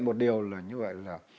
một điều là như vậy là